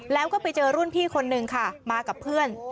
แล้วก็ไปเจอรุ่นพี่คนนึงค่ะมากับเพื่อน